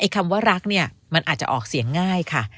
คำว่ารักเนี่ยมันอาจจะออกเสียงง่ายค่ะ